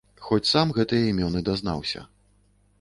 Хоць сам гэтыя імёны дазнаўся.